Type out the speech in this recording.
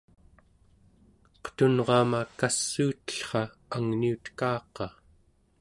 qetunrama kassuutellra angniutekaqa